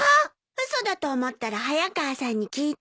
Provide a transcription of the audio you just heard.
嘘だと思ったら早川さんに聞いて。